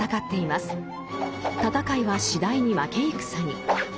戦いは次第に負け戦に。